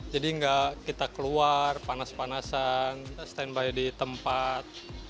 jadi nggak kita keluar panas panasan standby di tempat